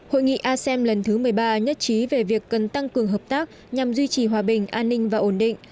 hội nghị asem lần thứ một mươi ba nhất trí về việc cần tăng cường hợp tác nhằm duy trì hòa bình an ninh và ổn định